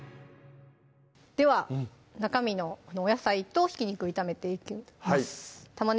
では中身のお野菜とひき肉炒めていきます